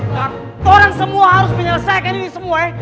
orang semua harus menyelesaikan ini semua ya